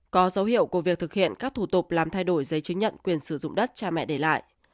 có dấu hiệu của việc thực hiện các thủ tục làm thay đổi giấy chứng nhận quyền sử dụng đất cha mẹ để lại